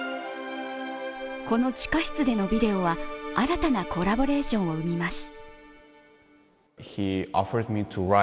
この地下室でのビデオは新たなコラボレーションを生みます。